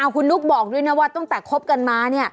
คุณนุ๊กบอกด้วยนะว่าตั้งแต่คบกันมา